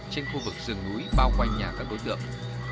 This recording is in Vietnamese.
trên khu vực rừng núi bao quanh nhà các đối tượng